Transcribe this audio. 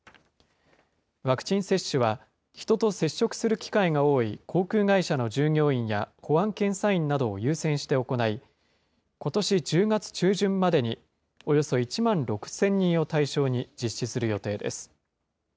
ワクチン接種は人と接触する機会の多い、航空会社の従業員や、保安検査員などを優先して行い、ことし１０月中旬までにおよそ１万６０００人を対象に実施する予定です。